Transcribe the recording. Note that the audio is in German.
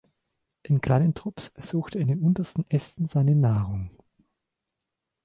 In kleinen Trupps sucht er in den untersten Ästen seine Nahrung.